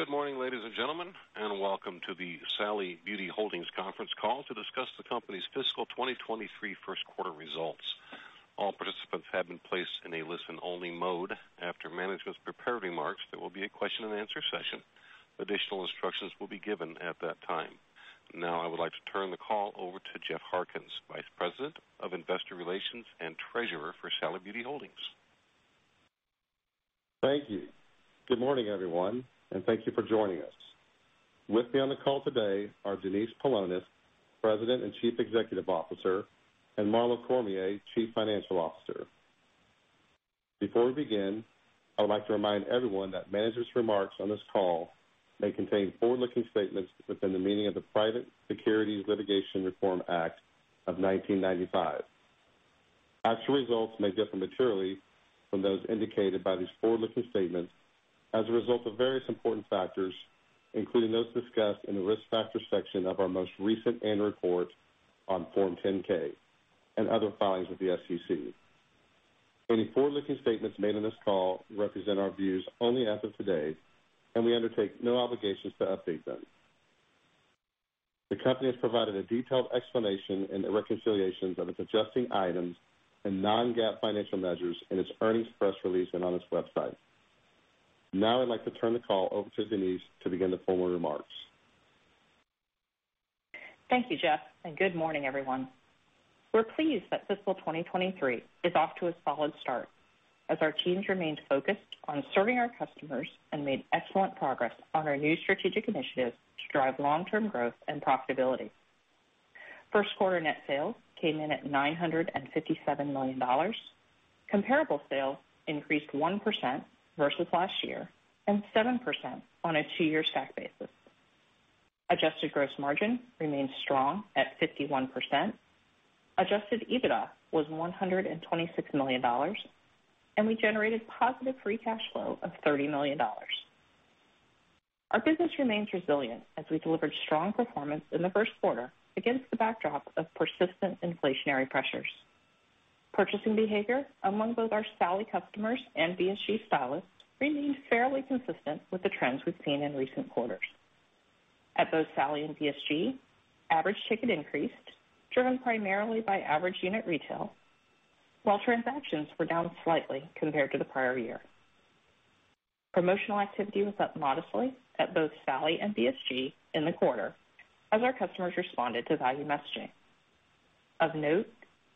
Good morning, ladies and gentlemen, and welcome to the Sally Beauty Holdings conference call to discuss the company's fiscal 2023 first quarter results. All participants have been placed in a listen-only mode. After management's prepared remarks, there will be a question and answer session. Additional instructions will be given at that time. Now I would like to turn the call over to Jeff Harkins, Vice President of Investor Relations and Treasurer for Sally Beauty Holdings. Thank you. Good morning, everyone, and thank you for joining us. With me on the call today are Denise Paulonis, President and Chief Executive Officer, and Marlo Cormier, Chief Financial Officer. Before we begin, I would like to remind everyone that management's remarks on this call may contain forward-looking statements within the meaning of the Private Securities Litigation Reform Act of 1995. Actual results may differ materially from those indicated by these forward-looking statements as a result of various important factors, including those discussed in the Risk Factors section of our most recent annual report on Form 10-K and other filings with the SEC. Any forward-looking statements made on this call represent our views only as of today, and we undertake no obligations to update them. The company has provided a detailed explanation in the reconciliations of its adjusting items and non-GAAP financial measures in its earnings press release and on its website. I'd like to turn the call over to Denise to begin the formal remarks. Thank you, Jeff. Good morning, everyone. We're pleased that fiscal 2023 is off to a solid start as our teams remained focused on serving our customers and made excellent progress on our new strategic initiatives to drive long-term growth and profitability. First quarter net sales came in at $957 million. Comparable sales increased 1% versus last year and 7% on a two-year stack basis. Adjusted gross margin remains strong at 51%. Adjusted EBITDA was $126 million, and we generated positive free cash flow of $30 million. Our business remains resilient as we delivered strong performance in the first quarter against the backdrop of persistent inflationary pressures. Purchasing behavior among both our Sally customers and BSG stylists remains fairly consistent with the trends we've seen in recent quarters. At both Sally and BSG, average ticket increased, driven primarily by average unit retail, while transactions were down slightly compared to the prior year. Promotional activity was up modestly at both Sally and BSG in the quarter as our customers responded to value messaging. Of note,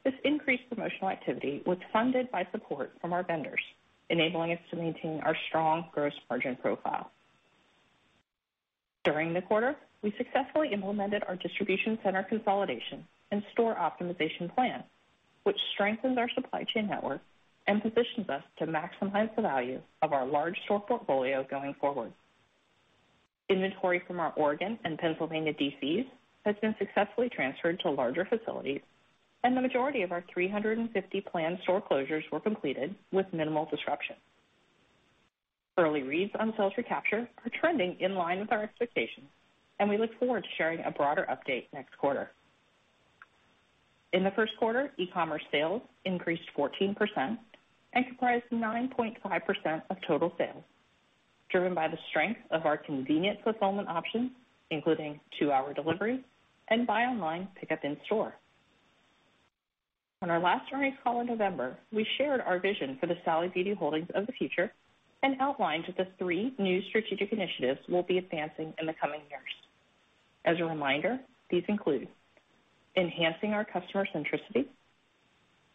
this increased promotional activity was funded by support from our vendors, enabling us to maintain our strong gross margin profile. During the quarter, we successfully implemented our distribution center consolidation and store optimization plan, which strengthens our supply chain network and positions us to maximize the value of our large store portfolio going forward. Inventory from our Oregon and Pennsylvania DCs has been successfully transferred to larger facilities. The majority of our 350 planned store closures were completed with minimal disruption. Early reads on sales recapture are trending in line with our expectations. We look forward to sharing a broader update next quarter. In the first quarter, e-commerce sales increased 14% and comprised 9.5% of total sales, driven by the strength of our convenient fulfillment options, including two-hour delivery and buy online/pickup in store. On our last earnings call in November, we shared our vision for the Sally Beauty Holdings of the future and outlined that the three new strategic initiatives we'll be advancing in the coming years. As a reminder, these include enhancing our customer centricity,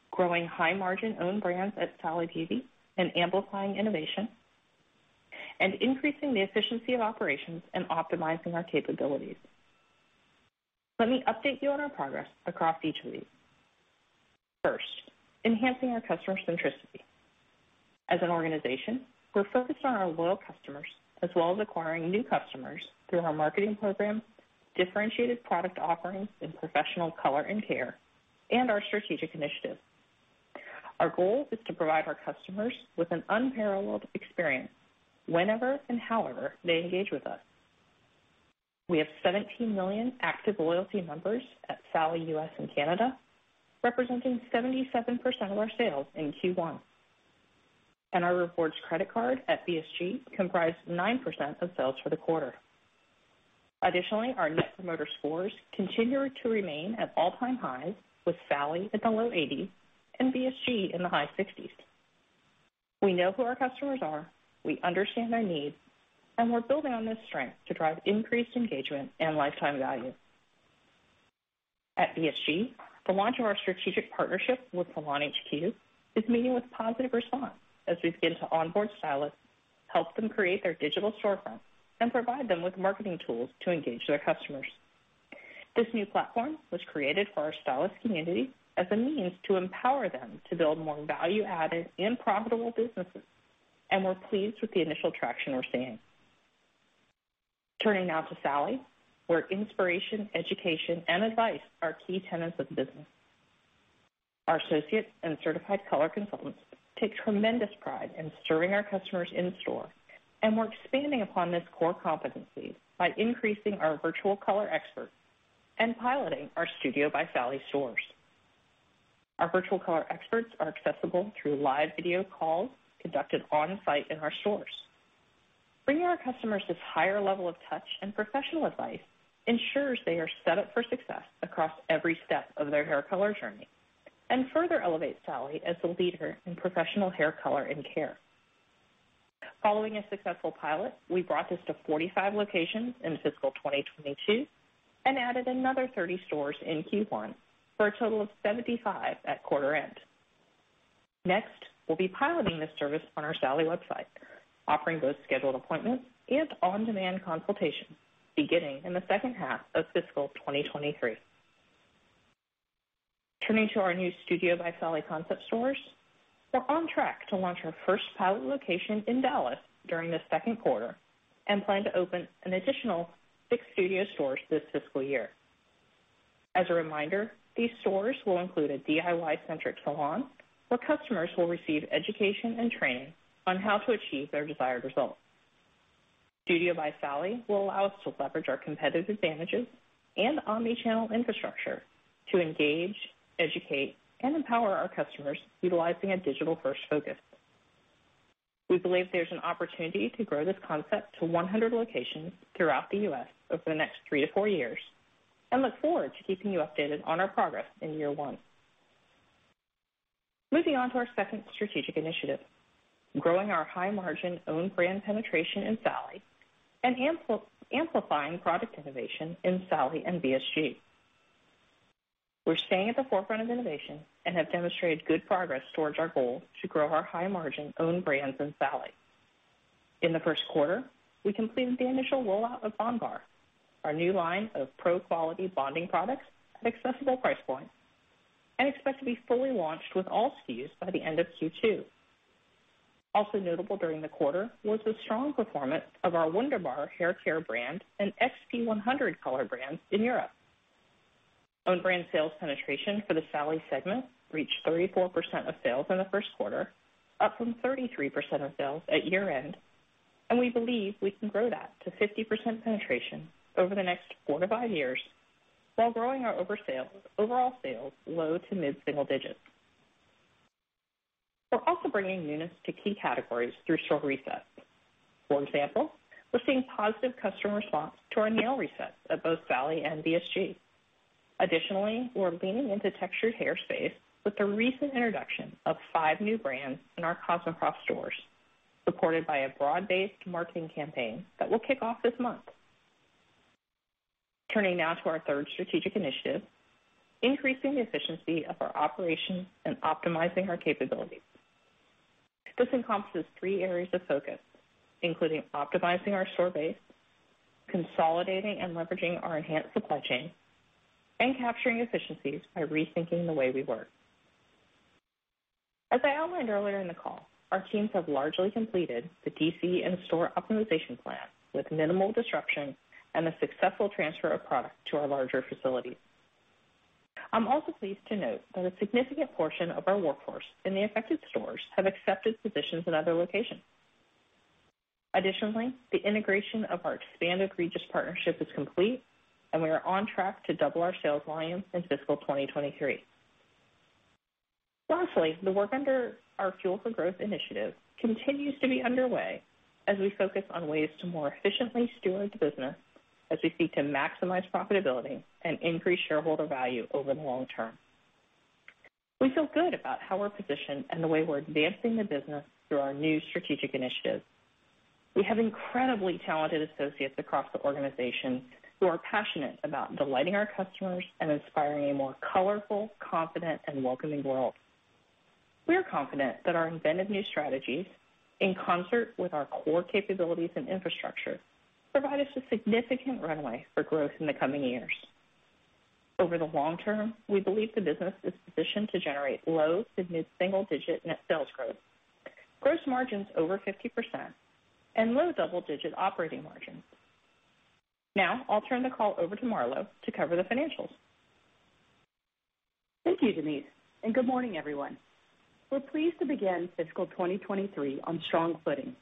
growing high-margin owned brands at Sally Beauty and amplifying innovation, and increasing the efficiency of operations and optimizing our capabilities. Let me update you on our progress across each of these. First, enhancing our customer centricity. As an organization, we're focused on our loyal customers, as well as acquiring new customers through our marketing programs, differentiated product offerings in professional color and care, and our strategic initiatives. Our goal is to provide our customers with an unparalleled experience whenever and however they engage with us. We have 17 million active loyalty members at Sally US and Canada, representing 77% of our sales in Q1. Our rewards credit card at BSG comprised 9% of sales for the quarter. Additionally, our net promoter scores continue to remain at all-time highs, with Sally at the low 80 and BSG in the high 60s. We know who our customers are, we understand their needs, and we're building on this strength to drive increased engagement and lifetime value. At BSG, the launch of our strategic partnership with SalonHQ is meeting with positive response as we begin to onboard stylists, help them create their digital storefront, and provide them with marketing tools to engage their customers. This new platform was created for our stylist community as a means to empower them to build more value-added and profitable businesses. We're pleased with the initial traction we're seeing. Turning now to Sally, where inspiration, education, and advice are key tenets of the business. Our associates and certified color consultants take tremendous pride in serving our customers in store. We're expanding upon this core competency by increasing our virtual color experts and piloting our Studio by Sally stores. Our virtual color experts are accessible through live video calls conducted on site in our stores. Bringing our customers this higher level of touch and professional advice ensures they are set up for success across every step of their hair color journey, further elevates Sally as the leader in professional hair color and care. Following a successful pilot, we brought this to 45 locations in fiscal 2022 and added another 30 stores in Q1, for a total of 75 at quarter end. Next, we'll be piloting this service on our Sally website, offering both scheduled appointments and on-demand consultations beginning in the second half of fiscal 2023. Turning to our new Studio by Sally concept stores. We're on track to launch our first pilot location in Dallas during the second quarter, plan to open an additional 6 studio stores this fiscal year. As a reminder, these stores will include a DIY-centric salon where customers will receive education and training on how to achieve their desired results. Studio by Sally will allow us to leverage our competitive advantages and omnichannel infrastructure to engage, educate, and empower our customers, utilizing a digital-first focus. We believe there's an opportunity to grow this concept to 100 locations throughout the US over the next 3 to 4 years, and look forward to keeping you updated on our progress in year 1. Moving on to our second strategic initiative, growing our high-margin own brand penetration in Sally and amplifying product innovation in Sally and BSG. We're staying at the forefront of innovation and have demonstrated good progress towards our goal to grow our high-margin own brands in Sally. In the first quarter, we completed the initial rollout of bondbar, our new line of pro-quality bonding products at accessible price points, and expect to be fully launched with all SKUs by the end of Q2. Also notable during the quarter was the strong performance of our Wunderbar Hair Care brand and XP100 Color brands in Europe. Own brand sales penetration for the Sally segment reached 34% of sales in the first quarter, up from 33% of sales at year-end, and we believe we can grow that to 50% penetration over the next 4-5 years while growing our overall sales low to mid-single digits. We're also bringing newness to key categories through store resets. For example, we're seeing positive customer response to our nail resets at both Sally and BSG. Additionally, we're leaning into textured hair space with the recent introduction of five new brands in our CosmoProf stores, supported by a broad-based marketing campaign that will kick off this month. Turning now to our third strategic initiative, increasing the efficiency of our operations and optimizing our capabilities. This encompasses three areas of focus, including optimizing our store base, consolidating and leveraging our enhanced supply chain, and capturing efficiencies by rethinking the way we work. As I outlined earlier in the call, our teams have largely completed the DC and store optimization plan with minimal disruption and the successful transfer of product to our larger facilities. I'm also pleased to note that a significant portion of our workforce in the affected stores have accepted positions in other locations. The integration of our expanded Regis partnership is complete, and we are on track to double our sales volume in fiscal 2023. The work under our Fuel for Growth initiative continues to be underway as we focus on ways to more efficiently steward the business as we seek to maximize profitability and increase shareholder value over the long term. We feel good about how we're positioned and the way we're advancing the business through our new strategic initiatives. We have incredibly talented associates across the organization who are passionate about delighting our customers and inspiring a more colorful, confident, and welcoming world. We are confident that our inventive new strategies, in concert with our core capabilities and infrastructure, provide us a significant runway for growth in the coming years. Over the long term, we believe the business is positioned to generate low to mid-single digit net sales growth, gross margins over 50%, and low double-digit operating margins. I'll turn the call over to Marlo to cover the financials. Thank you, Denise. Good morning, everyone. We're pleased to begin fiscal 2023 on strong footing,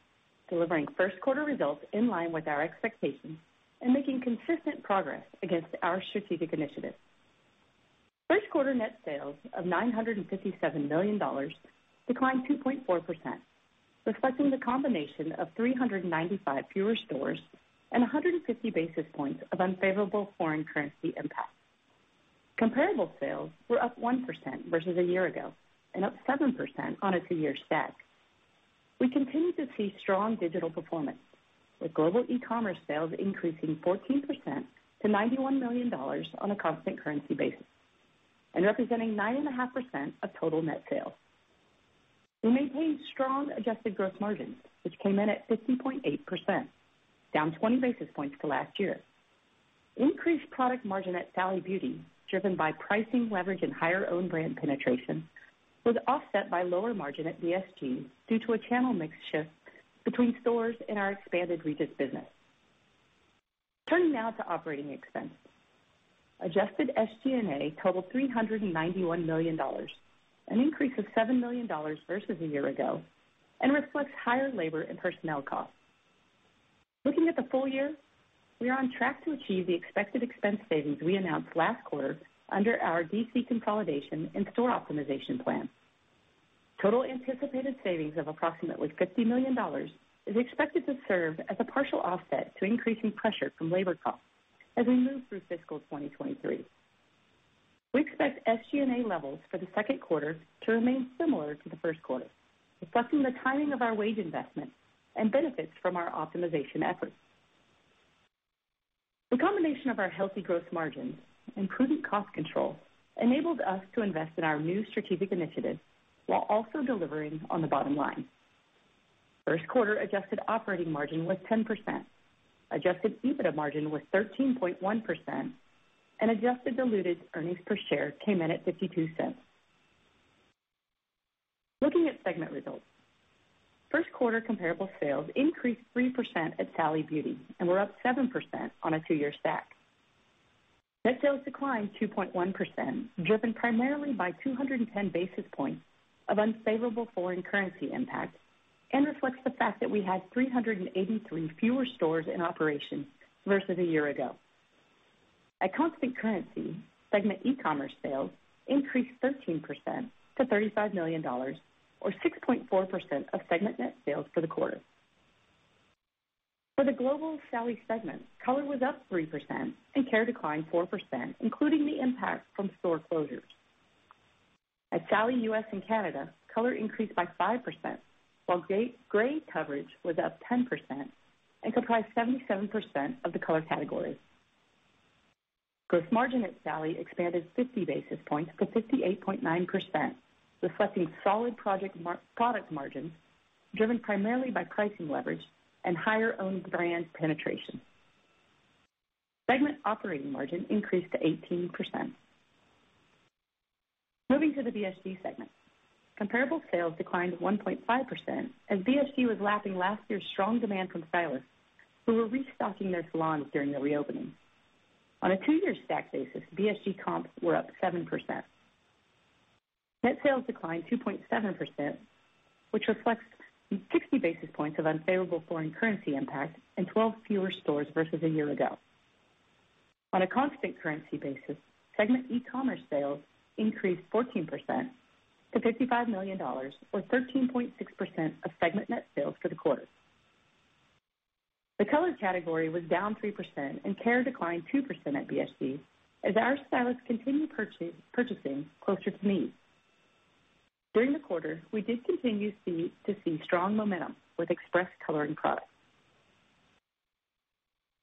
delivering first quarter results in line with our expectations and making consistent progress against our strategic initiatives. First quarter net sales of $957 million declined 2.4%, reflecting the combination of 395 fewer stores and 150 basis points of unfavorable foreign currency impact. Comparable sales were up 1% versus a year ago and up 7% on a two-year stack. We continue to see strong digital performance, with global e-commerce sales increasing 14% to $91 million on a constant currency basis and representing 9.5% of total net sales. We maintained strong adjusted gross margins, which came in at 50.8%, down 20 basis points to last year. Increased product margin at Sally Beauty, driven by pricing leverage and higher own brand penetration, was offset by lower margin at BSG due to a channel mix shift between stores and our expanded Regis business. Turning now to operating expenses. Adjusted SG&A totaled $391 million, an increase of $7 million versus a year ago, reflects higher labor and personnel costs. Looking at the full year, we are on track to achieve the expected expense savings we announced last quarter under our D.C. consolidation and store optimization plan. Total anticipated savings of approximately $50 million is expected to serve as a partial offset to increasing pressure from labor costs as we move through fiscal 2023. We expect SG&A levels for the second quarter to remain similar to the first quarter, reflecting the timing of our wage investment and benefits from our optimization efforts. The combination of our healthy growth margins and prudent cost control enabled us to invest in our new strategic initiatives while also delivering on the bottom line. First quarter adjusted operating margin was 10%. Adjusted EBITDA margin was 13.1%, and adjusted diluted earnings per share came in at $0.52. Looking at segment results. First quarter comparable sales increased 3% at Sally Beauty and were up 7% on a two-year stack. Net sales declined 2.1%, driven primarily by 210 basis points of unfavorable foreign currency impact, and reflects the fact that we had 383 fewer stores in operation versus a year ago. At constant currency, segment e-commerce sales increased 13% to $35 million, or 6.4% of segment net sales for the quarter. For the global Sally segment, color was up 3% and care declined 4%, including the impact from store closures. At Sally US and Canada, color increased by 5%, while gray coverage was up 10% and comprised 77% of the color category. Gross margin at Sally expanded 50 basis points to 58.9%, reflecting solid product margins driven primarily by pricing leverage and higher owned brand penetration. Segment operating margin increased to 18%. Moving to the BSG segment. Comparable sales declined 1.5% as BSG was lapping last year's strong demand from stylists who were restocking their salons during the reopening. On a 2-year stack basis, BSG comps were up 7%. Net sales declined 2.7%, which reflects 60 basis points of unfavorable foreign currency impact and 12 fewer stores versus a year ago. On a constant currency basis, segment e-commerce sales increased 14% to $55 million or 13.6% of segment net sales for the quarter. The color category was down 3% and care declined 2% at BSG as our stylists continued purchasing closer to need. During the quarter, we did continue to see strong momentum with express coloring products.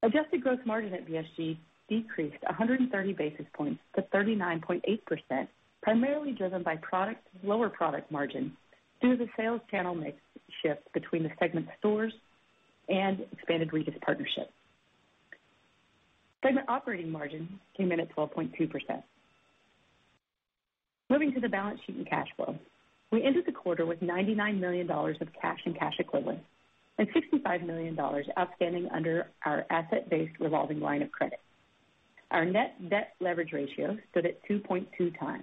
Adjusted gross margin at BSG decreased 130 basis points to 39.8%, primarily driven by product, lower product margin due to the sales channel mix shift between the segment stores and expanded Regis partnership. Segment operating margin came in at 12.2%. Moving to the balance sheet and cash flow. We ended the quarter with $99 million of cash and cash equivalents, and $65 million outstanding under our asset-based revolving line of credit. Our net debt leverage ratio stood at 2.2x.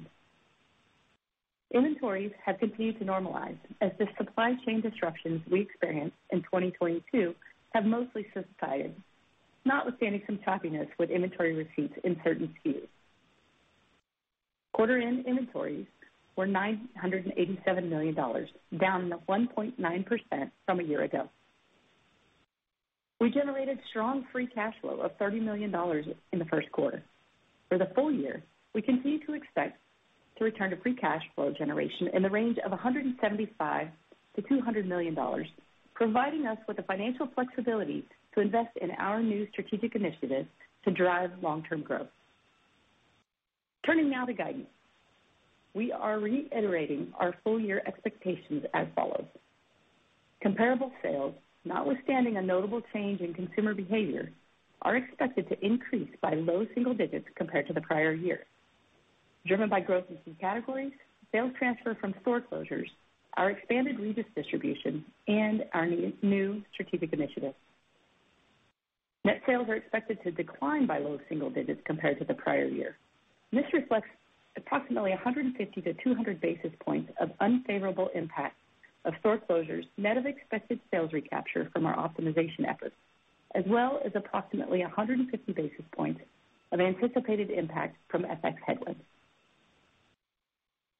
Inventories have continued to normalize as the supply chain disruptions we experienced in 2022 have mostly subsided, notwithstanding some choppiness with inventory receipts in certain SKUs. Quarter end inventories were $987 million, down to 1.9% from a year ago. We generated strong free cash flow of $30 million in the first quarter. For the full year, we continue to expect to return to free cash flow generation in the range of $175 million-$200 million, providing us with the financial flexibility to invest in our new strategic initiatives to drive long-term growth. Turning now to guidance. We are reiterating our full year expectations as follows. Comparable sales, notwithstanding a notable change in consumer behavior, are expected to increase by low single digits compared to the prior year, driven by growth in some categories, sales transfer from store closures, our expanded Regis distribution, and our new strategic initiatives. Net sales are expected to decline by low single digits compared to the prior year, this reflects approximately 150 to 200 basis points of unfavorable impact of store closures, net of expected sales recapture from our optimization efforts, as well as approximately 150 basis points of anticipated impact from FX headwinds.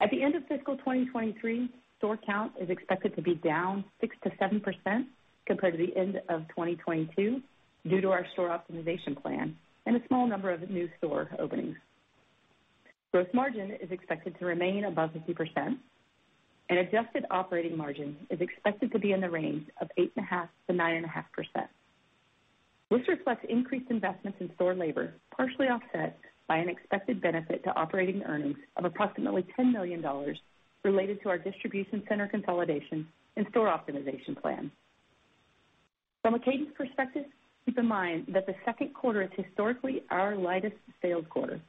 At the end of fiscal 2023, store count is expected to be down 6%-7% compared to the end of 2022 due to our store optimization plan and a small number of new store openings. Gross margin is expected to remain above 50%. Adjusted operating margin is expected to be in the range of 8.5%-9.5%. This reflects increased investments in store labor, partially offset by an expected benefit to operating earnings of approximately $10 million related to our distribution center consolidation and store optimization plan. From a cadence perspective, keep in mind that the second quarter is historically our lightest sales quarter.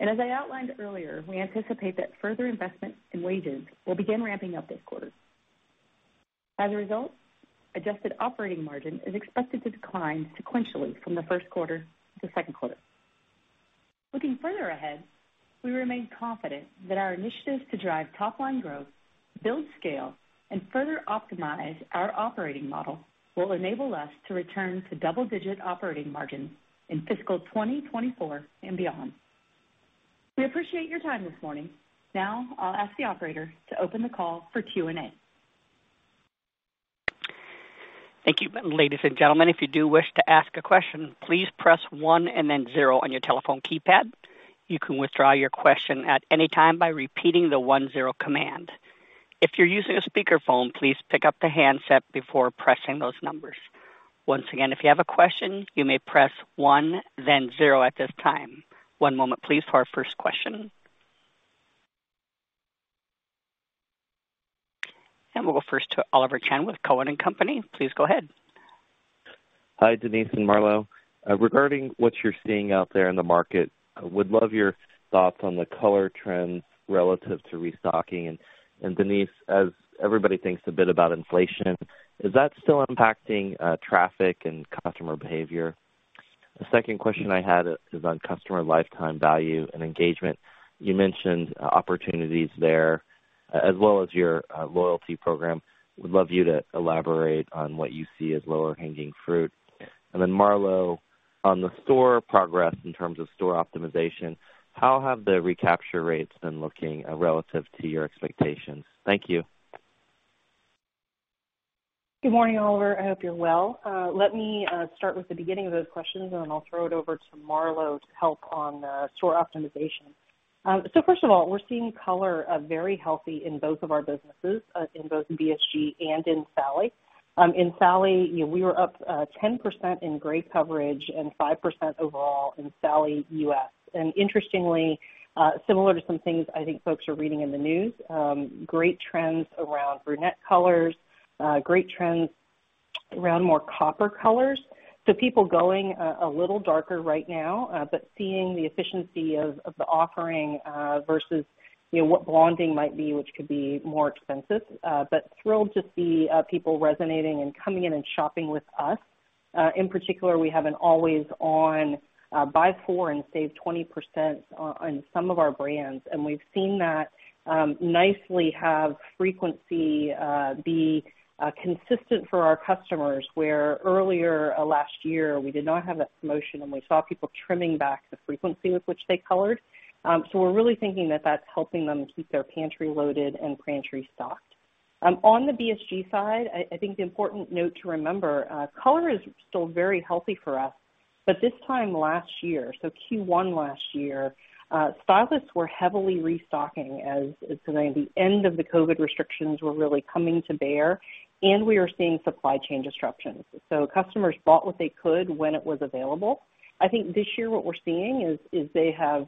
As I outlined earlier, we anticipate that further investments in wages will begin ramping up this quarter. As a result, adjusted operating margin is expected to decline sequentially from the first quarter to second quarter. Looking further ahead, we remain confident that our initiatives to drive top line growth, build scale, and further optimize our operating model will enable us to return to double-digit operating margins in fiscal 2024 and beyond. We appreciate your time this morning. Now I'll ask the operator to open the call for Q&A. Thank you. Ladies and gentlemen, if you do wish to ask a question, please press 1 and then 0 on your telephone keypad. You can withdraw your question at any time by repeating the 1-0 command. If you're using a speakerphone, please pick up the handset before pressing those numbers. Once again, if you have a question, you may press 1, then 0 at this time. One moment please for our first question. We'll go first to Oliver Chen with Cowen and Company. Please go ahead. Hi, Denise and Marlo. Regarding what you're seeing out there in the market, I would love your thoughts on the color trends relative to restocking. Denise, as everybody thinks a bit about inflation, is that still impacting traffic and customer behavior? The second question I had is on customer lifetime value and engagement. You mentioned opportunities there as well as your loyalty program. Would love you to elaborate on what you see as lower hanging fruit. Marlo, on the store progress in terms of store optimization, how have the recapture rates been looking relative to your expectations? Thank you. Good morning, Oliver. I hope you're well. Let me start with the beginning of those questions and I'll throw it over to Marlo to help on store optimization. First of all, we're seeing color very healthy in both of our businesses, in both in BSG and in Sally. In Sally, we were up 10% in gray coverage and 5% overall in Sally US. Interestingly, similar to some things I think folks are reading in the news, great trends around brunette colors, great trends around more copper colors. People going a little darker right now, but seeing the efficiency of the offering versus, you know, what blonding might be, which could be more expensive. Thrilled to see people resonating and coming in and shopping with us. In particular, we have an always on, buy four and save 20% on some of our brands, and we've seen that nicely have frequency be consistent for our customers, where earlier last year we did not have that promotion and we saw people trimming back the frequency with which they colored. We're really thinking that that's helping them keep their pantry loaded and pantry stocked. On the BSG side, I think the important note to remember, color is still very healthy for us, but this time last year, Q1 last year, stylists were heavily restocking as the end of the COVID restrictions were really coming to bear and we were seeing supply chain disruptions. Customers bought what they could when it was available. I think this year what we're seeing is they have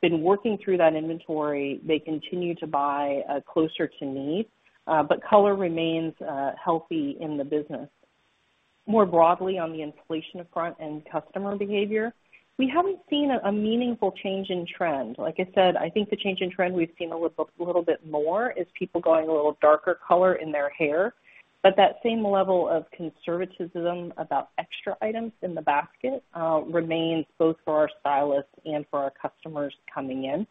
been working through that inventory. They continue to buy closer to need, but color remains healthy in the business. More broadly, on the inflation front and customer behavior, we haven't seen a meaningful change in trend. Like I said, I think the change in trend we've seen a little bit more is people going a little darker color in their hair. That same level of conservatism about extra items in the basket remains both for our stylists and for our customers coming in.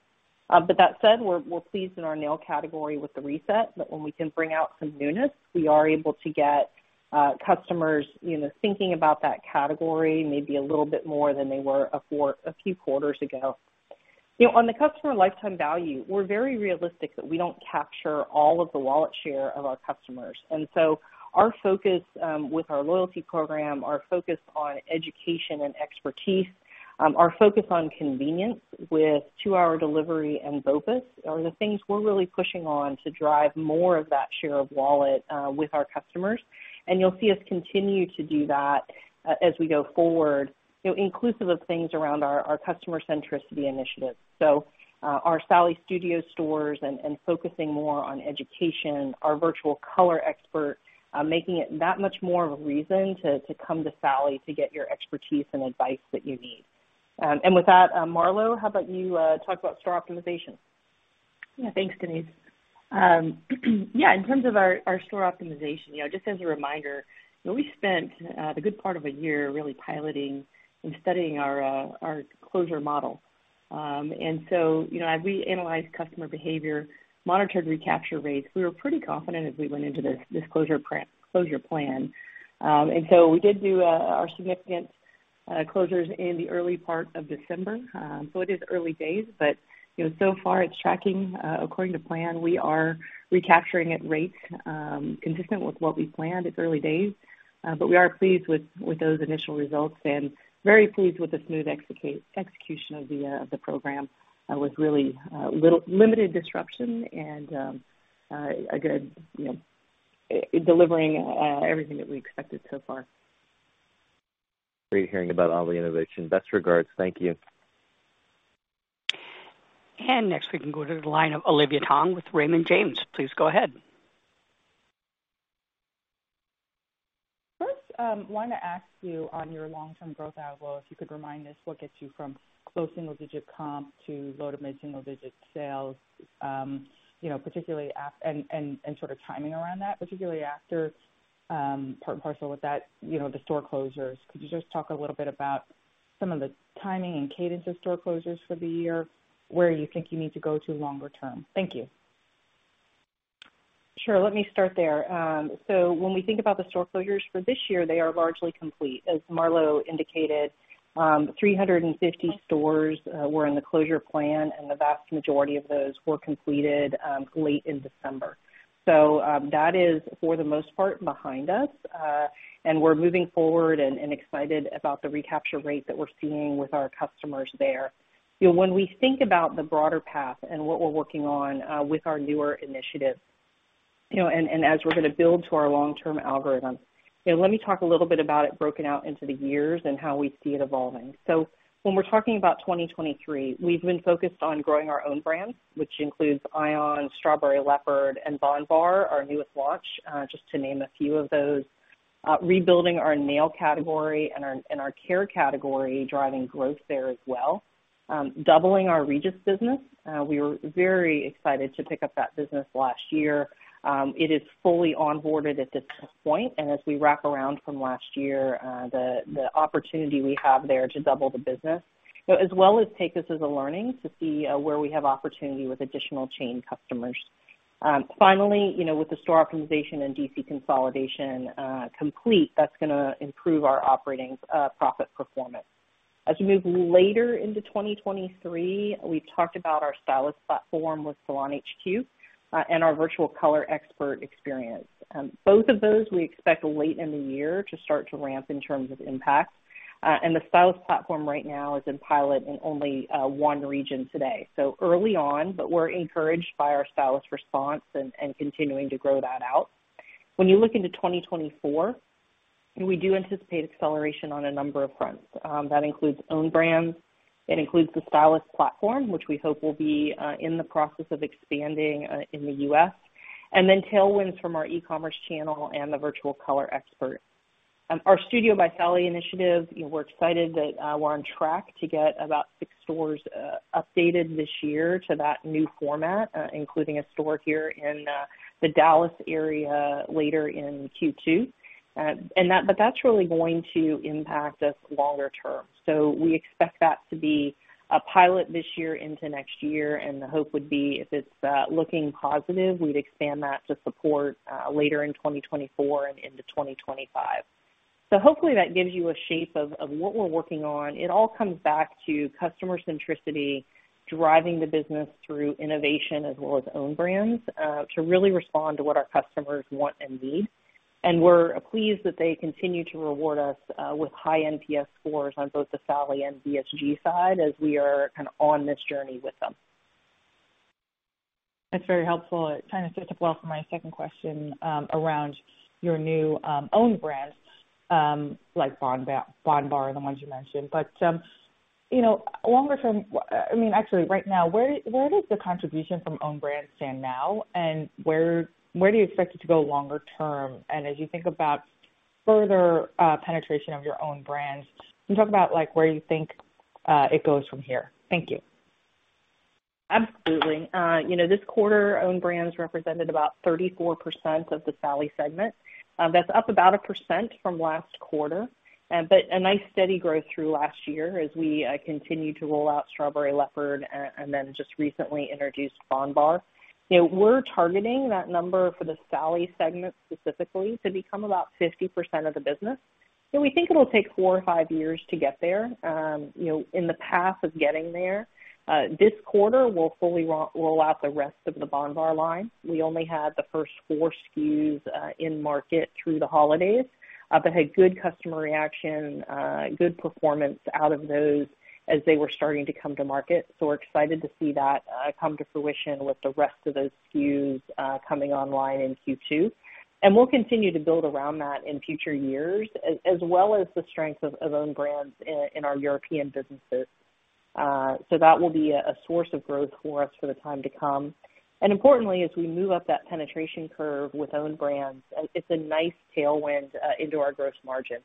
That said, we're pleased in our nail category with the reset that when we can bring out some newness, we are able to get customers, you know, thinking about that category maybe a little bit more than they were a four... a few quarters ago. On the customer lifetime value, we're very realistic that we don't capture all of the wallet share of our customers. Our focus with our loyalty program, our focus on education and expertise, our focus on convenience with 2-hour delivery and BOPUS are the things we're really pushing on to drive more of that share of wallet with our customers. You'll see us continue to do that as we go forward, you know, inclusive of things around our customer centricity initiative. Our Studio by Sally stores and focusing more on education, our virtual color expert, making it that much more of a reason to come to Sally to get your expertise and advice that you need. With that, Marlo Cormier, how about you talk about store optimization? Yeah. Thanks, Denise. Yeah, in terms of our store optimization, you know, just as a reminder, we spent the good part of a year really piloting and studying our closure model. So, you know, as we analyzed customer behavior, monitored recapture rates, we were pretty confident as we went into this closure plan. So we did do our significant closures in the early part of December. So it is early days, but you know, so far it's tracking according to plan. We are recapturing at rates consistent with what we planned. It's early days, but we are pleased with those initial results and very pleased with the smooth execution of the program, with really limited disruption and, a good, you know, delivering everything that we expected so far. Great hearing about all the innovation. Best regards. Thank you. Next we can go to the line of Olivia Tong with Raymond James. Please go ahead. First, want to ask you on your long-term growth outlook, if you could remind us what gets you from low single digit comp to low-to-mid single digit sales, you know, particularly and sort of timing around that, particularly after, part and parcel with that, you know, the store closures. Could you just talk a little bit about some of the timing and cadence of store closures for the year, where you think you need to go to longer term? Thank you. Sure. Let me start there. When we think about the store closures for this year, they are largely complete. As Marlo indicated, 350 stores were in the closure plan, and the vast majority of those were completed late in December. That is for the most part behind us, and we're moving forward and excited about the recapture rate that we're seeing with our customers there. You know, when we think about the broader path and what we're working on with our newer initiatives, you know, and as we're gonna build to our long-term algorithm, you know, let me talk a little bit about it broken out into the years and how we see it evolving. When we're talking about 2023, we've been focused on growing our own brands, which includes ion, Strawberry Leopard and bondbar, our newest launch, just to name a few of those. Rebuilding our nail category and our care category, driving growth there as well. Doubling our Regis business. We were very excited to pick up that business last year. It is fully onboarded at this point, and as we wrap around from last year, the opportunity we have there to double the business, you know, as well as take this as a learning to see, where we have opportunity with additional chain customers. Finally, you know, with the store optimization and DC consolidation, complete, that's gonna improve our operating profit performance. As we move later into 2023, we've talked about our stylist platform with SalonHQ, and our virtual color expert experience. Both of those we expect late in the year to start to ramp in terms of impact. The stylist platform right now is in pilot in only one region today. Early on, but we're encouraged by our stylist response and continuing to grow that out. When you look into 2024, we do anticipate acceleration on a number of fronts. That includes own brands. It includes the stylist platform, which we hope will be in the process of expanding in the US. Tailwinds from our e-commerce channel and the virtual color expert. Our Studio by Sally initiative, you know, we're excited that we're on track to get about six stores updated this year to that new format, including a store here in the Dallas area later in Q2. That's really going to impact us longer term. We expect that to be a pilot this year into next year, and the hope would be if it's looking positive, we'd expand that to support later in 2024 and into 2025. Hopefully that gives you a shape of what we're working on. It all comes back to customer centricity, driving the business through innovation as well as own brands, to really respond to what our customers want and need. We're pleased that they continue to reward us with high NPS scores on both the Sally and BSG side as we are kind of on this journey with them. That's very helpful. It kind of sets up well for my second question, around your new own brands, like bondbar and the ones you mentioned. You know, longer term, I mean, actually right now, where does the contribution from own brands stand now, and where do you expect it to go longer term? As you think about further penetration of your own brands, can you talk about like where you think it goes from here? Thank you. Absolutely. You know, this quarter, own brands represented about 34% of the Sally segment. That's up about 1% from last quarter, but a nice steady growth through last year as we continued to roll out Strawberry Leopard and then just recently introduced bondbar. You know, we're targeting that number for the Sally segment specifically to become about 50% of the business. We think it'll take four or five years to get there. You know, in the path of getting there, this quarter we'll fully roll out the rest of the bondbar line. We only had the first four SKUs in market through the holidays, but had good customer reaction, good performance out of those as they were starting to come to market. We're excited to see that come to fruition with the rest of those SKUs coming online in Q2. We'll continue to build around that in future years as well as the strength of own brands in our European businesses. So that will be a source of growth for us for the time to come. Importantly, as we move up that penetration curve with own brands, it's a nice tailwind into our gross margin.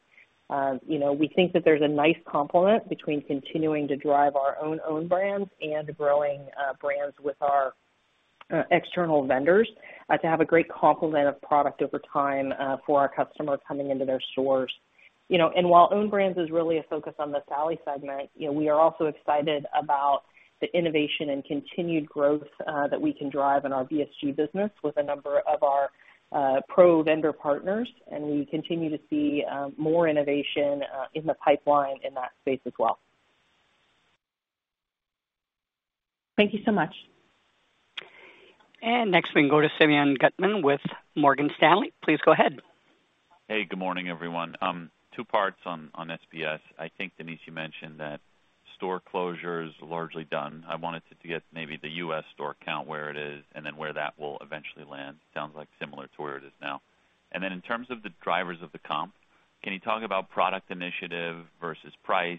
You know, we think that there's a nice complement between continuing to drive our own brands and growing brands with our external vendors to have a great complement of product over time for our customers coming into their stores. You know, while own brands is really a focus on the Sally segment, you know, we are also excited about the innovation and continued growth that we can drive in our BSG business with a number of our pro vendor partners, and we continue to see more innovation in the pipeline in that space as well. Thank you so much. Next we can go to Simeon Gutman with Morgan Stanley. Please go ahead. Hey, good morning, everyone. Two parts on SBS. I think, Denise, you mentioned that store closure is largely done. I wanted to get maybe the U.S. store count, where it is and then where that will eventually land. Sounds like similar to where it is now. In terms of the drivers of the comp, can you talk about product initiative versus price?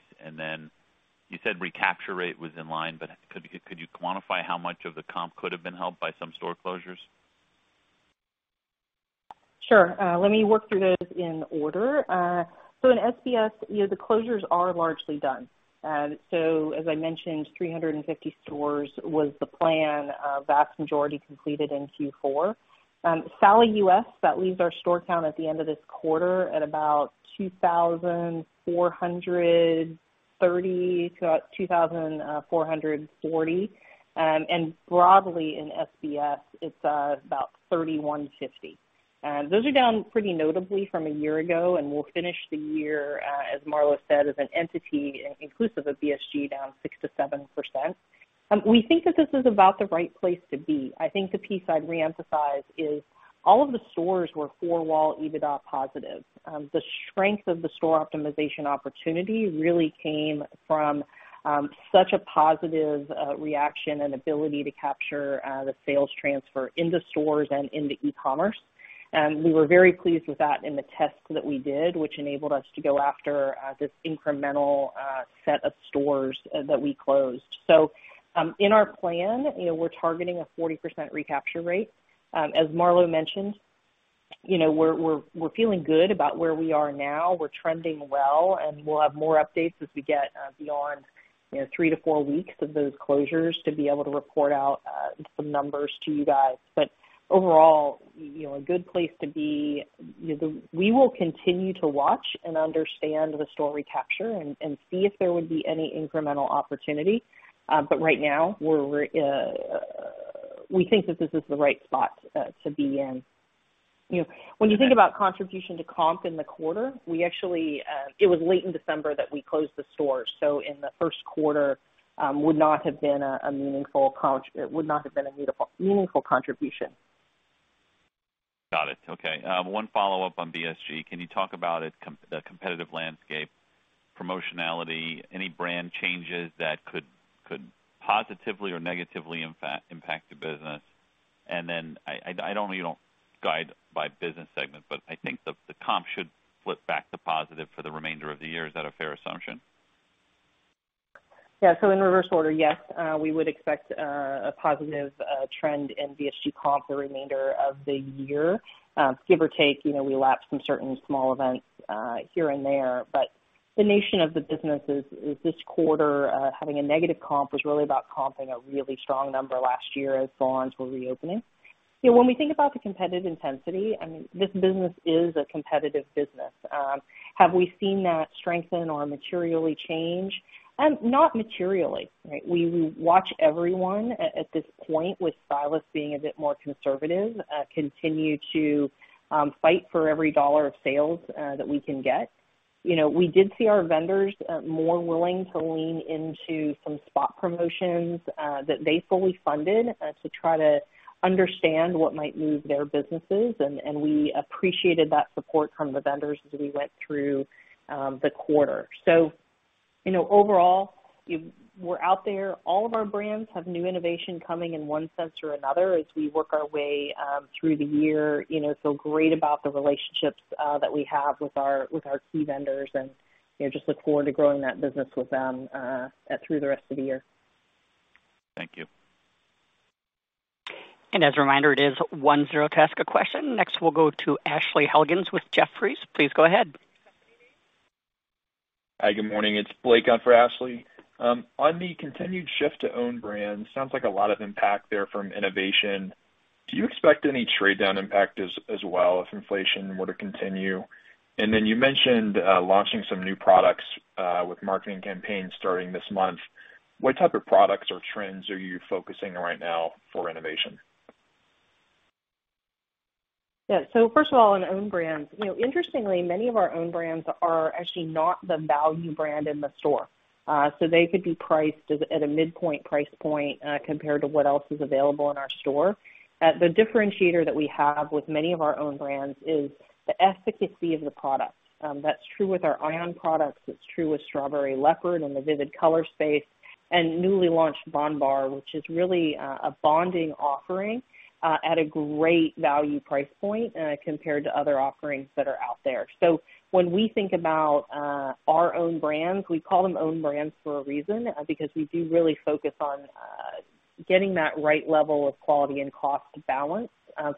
You said recapture rate was in line, but could you quantify how much of the comp could have been helped by some store closures? Sure. Let me work through those in order. In SBS, you know, the closures are largely done. As I mentioned, 350 stores was the plan. Vast majority completed in Q4. Sally US, that leaves our store count at the end of this quarter at about 2,430 to about 2,440. Broadly in SBS, it's about 3,150. Those are down pretty notably from a year ago, and we'll finish the year, as Marlo said, as an entity, inclusive of BSG, down 6%-7%. We think that this is about the right place to be. I think the piece I'd reemphasize is all of the stores were four-wall EBITDA positive. The strength of the store optimization opportunity really came from such a positive reaction and ability to capture the sales transfer into stores and into e-commerce. We were very pleased with that in the tests that we did, which enabled us to go after this incremental set of stores that we closed. In our plan, you know, we're targeting a 40% recapture rate. As Marlo Cormier mentioned, you know, we're feeling good about where we are now. We're trending well, and we'll have more updates as we get beyond, you know, 3 to 4 weeks of those closures to be able to report out some numbers to you guys. Overall, you know, a good place to be. You know, the. We will continue to watch and understand the store recapture and see if there would be any incremental opportunity. Right now we're, we think that this is the right spot to be in. You know, when you think about contribution to comp in the quarter, we actually. It was late in December that we closed the store, in the first quarter, would not have been a meaningful contribution. It would not have been a meaningful contribution. Got it. Okay. One follow-up on BSG. Can you talk about the competitive landscape, promotionality, any brand changes that could positively or negatively, in fact, impact the business? I know you don't guide by business segment, but I think the comp should flip back to positive for the remainder of the year. Is that a fair assumption? Yeah. In reverse order, yes, we would expect a positive trend in BSG comp the remainder of the year. Give or take, you know, we lap some certain small events here and there, but the nation of the business is this quarter, having a negative comp was really about comping a really strong number last year as salons were reopening. You know, when we think about the competitive intensity, I mean, this business is a competitive business. Have we seen that strengthen or materially change? Not materially, right. We, we watch everyone at this point, with stylists being a bit more conservative, continue to fight for every dollar of sales that we can get. You know, we did see our vendors more willing to lean into some spot promotions that they fully funded to try to understand what might move their businesses. We appreciated that support from the vendors as we went through the quarter. You know, overall, we're out there. All of our brands have new innovation coming in one sense or another as we work our way through the year, you know, so great about the relationships that we have with our key vendors and, you know, just look forward to growing that business with them through the rest of the year. Thank you. As a reminder, it is one zero to ask a question. Next, we'll go to Ashley Helgans with Jefferies. Please go ahead. Hi, good morning. It's Blake on for Ashley. On the continued shift to own brands, sounds like a lot of impact there from innovation. Do you expect any trade down impact as well if inflation were to continue? You mentioned launching some new products with marketing campaigns starting this month. What type of products or trends are you focusing right now for innovation? Yeah. First of all, on own brands. You know, interestingly, many of our own brands are actually not the value brand in the store. They could be priced at a midpoint price point compared to what else is available in our store. The differentiator that we have with many of our own brands is the efficacy of the product. That's true with our ion products, it's true with Strawberry Leopard in the vivid color space and newly launched bondbar, which is really a bonding offering at a great value price point compared to other offerings that are out there. When we think about our own brands, we call them own brands for a reason, because we do really focus on getting that right level of quality and cost balance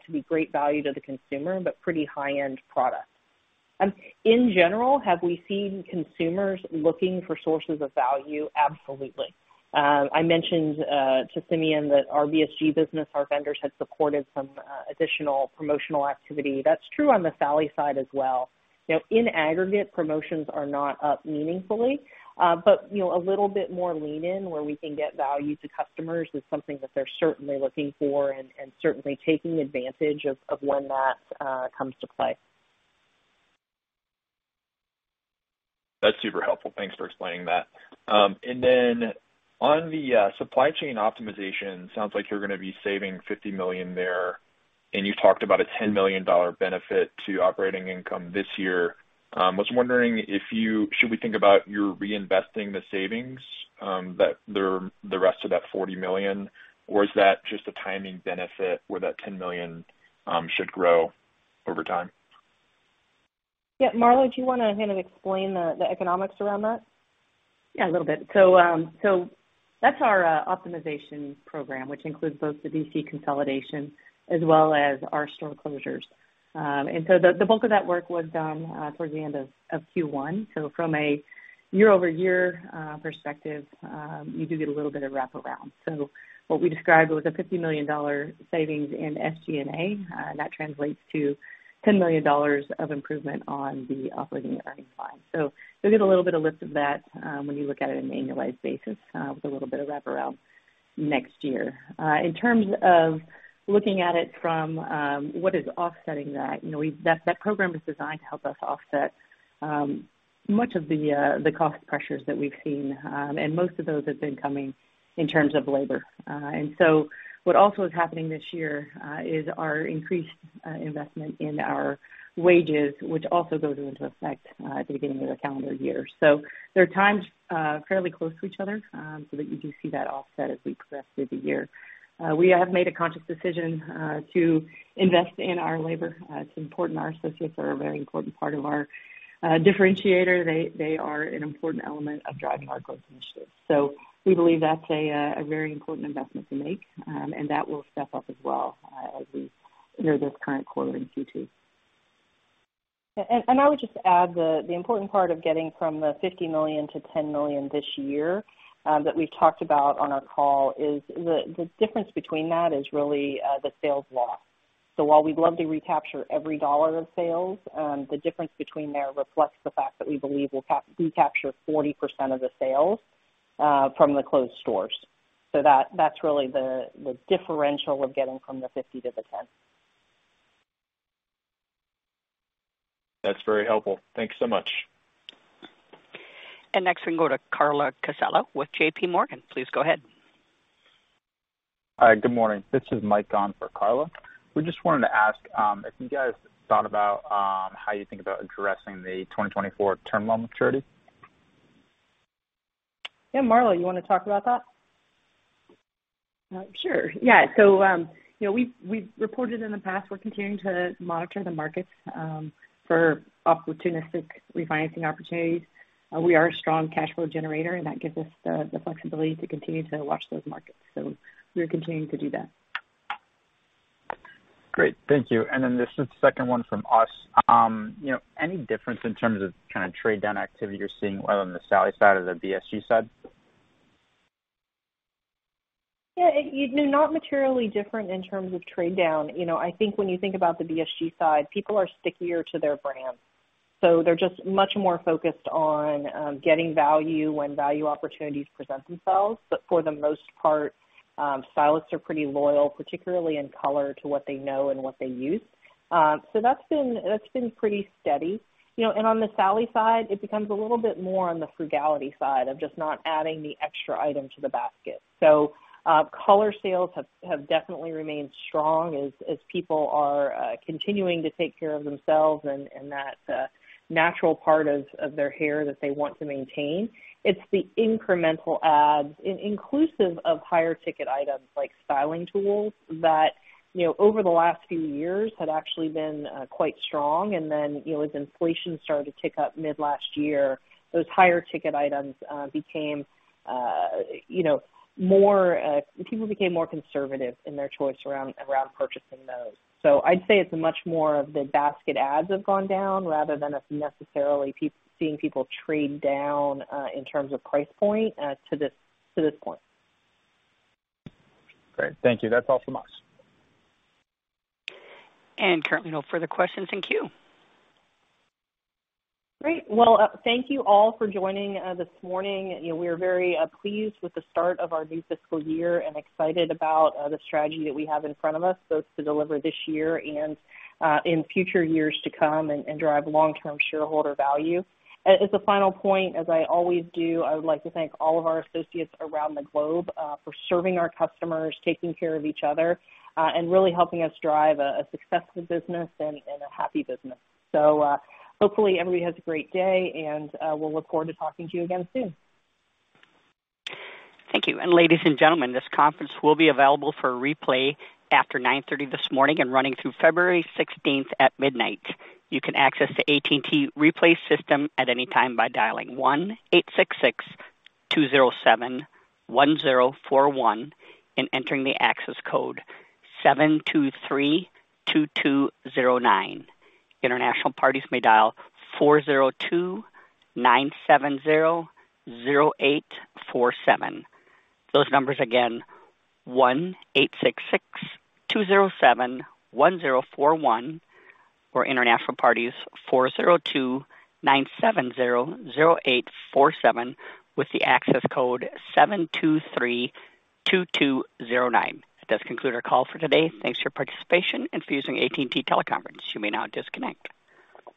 to be great value to the consumer, but pretty high-end product. In general, have we seen consumers looking for sources of value? Absolutely. I mentioned to Simeon that our BSG business, our vendors had supported some additional promotional activity. That's true on the Sally side as well. You know, in aggregate, promotions are not up meaningfully, but you know, a little bit more lean in where we can get value to customers is something that they're certainly looking for and certainly taking advantage of when that comes to play. That's super helpful. Thanks for explaining that. Then on the supply chain optimization, sounds like you're gonna be saving $50 million there, and you talked about a $10 million benefit to operating income this year. Should we think about you reinvesting the savings, that the rest of that $40 million, or is that just a timing benefit where that $10 million should grow over time? Yeah. Marlo, do you want to kind of explain the economics around that? Yeah, a little bit. That's our optimization program, which includes both the D.C. consolidation as well as our store closures. The bulk of that work was done towards the end of Q1. From a year-over-year perspective, you do get a little bit of wraparound. What we described was a $50 million savings in SG&A. That translates to $10 million of improvement on the operating earnings line. You'll get a little bit of lift of that, when you look at it in an annualized basis, with a little bit of wraparound next year. Looking at it from what is offsetting that, you know, that program is designed to help us offset much of the cost pressures that we've seen. Most of those have been coming in terms of labor. What also is happening this year is our increased investment in our wages, which also goes into effect at the beginning of the calendar year. They're timed fairly close to each other, so that you do see that offset as we progress through the year. We have made a conscious decision to invest in our labor. It's important. Our associates are a very important part of our differentiator. They are an important element of driving our growth initiatives. We believe that's a very important investment to make, and that will step up as well, as we enter this current quarter in Q2. I would just add the important part of getting from the $50 million to $10 million this year that we've talked about on our call is the difference between that is really the sales loss. While we'd love to recapture every dollar of sales, the difference between there reflects the fact that we believe we'll recapture 40% of the sales from the closed stores. That's really the differential of getting from the $50 million to the $10 million. That's very helpful. Thank you so much. Next, we can go to Carla Casella with JPMorgan. Please go ahead. Hi. Good morning. This is Mike on for Carla. We just wanted to ask, if you guys thought about, how you think about addressing the 2024 term loan maturity. Yeah, Marlo, you wanna talk about that? Sure. Yeah. You know, we've reported in the past, we're continuing to monitor the markets, for opportunistic refinancing opportunities. We are a strong cash flow generator, and that gives us the flexibility to continue to watch those markets. We're continuing to do that. Great. Thank you. Then this is the second one from us. You know, any difference in terms of kind of trade down activity you're seeing on the Sally side or the BSG side? Yeah. Not materially different in terms of trade down. You know, I think when you think about the BSG side, people are stickier to their brands, so they're just much more focused on getting value when value opportunities present themselves. For the most part, stylists are pretty loyal, particularly in color, to what they know and what they use. That's been pretty steady. You know, on the Sally side, it becomes a little bit more on the frugality side of just not adding the extra item to the basket. Color sales have definitely remained strong as people are continuing to take care of themselves and that natural part of their hair that they want to maintain. It's the incremental adds, inclusive of higher ticket items like styling tools that, you know, over the last few years had actually been quite strong. Then, you know, as inflation started to tick up mid last year, those higher ticket items became, you know, more. People became more conservative in their choice around purchasing those. I'd say it's much more of the basket adds have gone down rather than us necessarily seeing people trade down in terms of price point to this point. Great. Thank you. That's all from us. Currently no further questions in queue. Great. Well, thank you all for joining this morning. You know, we are very pleased with the start of our new fiscal year and excited about the strategy that we have in front of us both to deliver this year and in future years to come and drive long-term shareholder value. As a final point, as I always do, I would like to thank all of our associates around the globe for serving our customers, taking care of each other, and really helping us drive a successful business and a happy business. Hopefully everybody has a great day, and we'll look forward to talking to you again soon. Thank you. Ladies and gentlemen, this conference will be available for replay after 9:30 A.M. and running through February 16th at midnight. You can access the AT&T replay system at any time by dialing 1-866-207-1041 and entering the access code 7232209. International parties may dial 402-970-0847. Those numbers again 1-866-207-1041 or international parties 402-970-0847 with the access code 7232209. That does conclude our call for today. Thanks for your participation and for using AT&T Conference. You may now disconnect.